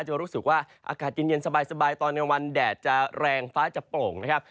จะรู้สึกว่าอากาศเย็นสบายตอนกลางวันแดดจะแรงฟ้าจะโป่งนะครับ